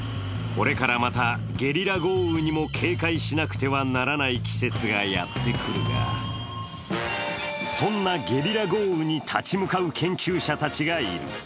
これからまたゲリラ豪雨にも警戒しなくてはならない季節がやってくるが、そんなゲリラ豪雨に立ち向かう研究者たちがいる。